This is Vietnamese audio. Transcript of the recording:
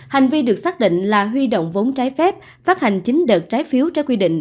hành vi được xác định là huy động vốn trái phép phát hành chín đợt trái phiếu trái quy định